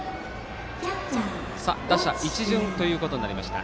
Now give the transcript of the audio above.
打者一巡ということになりました。